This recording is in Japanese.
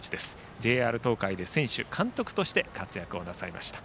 ＪＲ東海で選手、監督として活躍をされました。